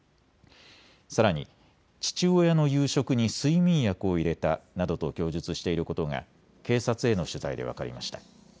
さらに父親の夕食に睡眠薬を入れたなどと供述していることが警察への取材で分かりました。